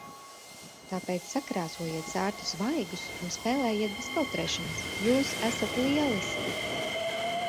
Tāpēc sakrāsojiet sārtus vaigus un spēlējiet bez kautrēšanās. Jūs esat lieliski!